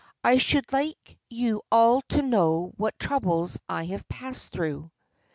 I should like you all to know what troubles I have passed through."